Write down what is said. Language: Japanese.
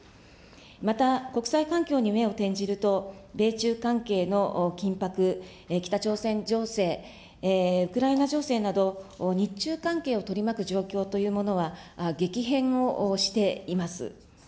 また、国際環境に目を転じると、米中関係の緊迫、北朝鮮情勢、ウクライナ情勢など、日中関係を取り巻く状況というものは、激変をしています。